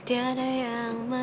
nishtaya dia akan merasa terhibur